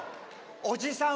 おじさん